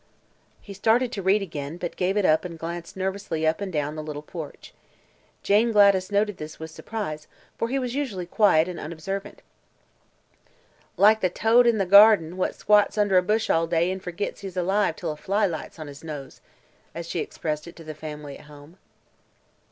He started to read again, but gave it up and glanced nervously up and down the little porch. Jane Gladys noted this with surprise, for he was usually quiet and unobservant, "like th' toad in th' garden, what squats under a bush all day an' fergits he's alive till a fly lights on his nose," as she expressed it to the family at home.